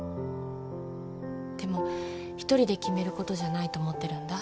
でも一人で決めることじゃないと思ってるんだ。